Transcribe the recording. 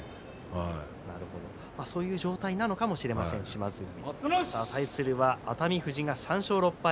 そういう状態なのかもしれません、島津海。対する熱海富士３勝６敗。